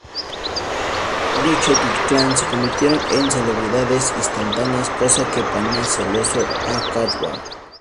Ratchet y Clank se convierten en celebridades instantáneas, cosa que pone celoso a Qwark.